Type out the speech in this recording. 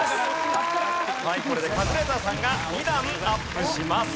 はいこれでカズレーザーさんが２段アップします。